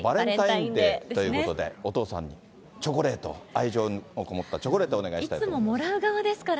バレンタインデーということで、お父さんにチョコレート、愛情のこもったチョコレートをお願いしたいと思います。